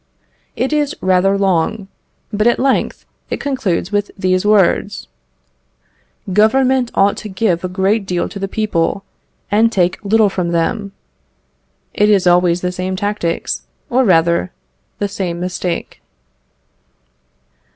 It is rather long, but at length it concludes with these words: "Government ought to give a great deal to the people, and take little from them." It is always the same tactics, or, rather, the same mistake.